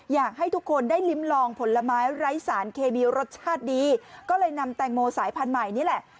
อยากให้ทุกคนได้ลิ้มลองผลไม้ไร้สารเคมีรสชาติดีก็เลยนำแตงโมสายพันธุ์ใหม่นี่แหละ